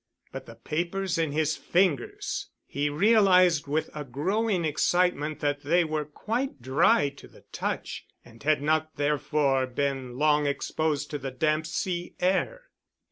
But the papers in his fingers! He realized with a growing excitement that they were quite dry to the touch and had not therefore been long exposed to the damp sea air.